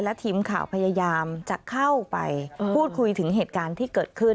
ทีมข่าวพยายามจะเข้าไปพูดคุยถึงเหตุการณ์ที่เกิดขึ้น